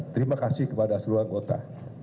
terima kasih kepada seluruh anggota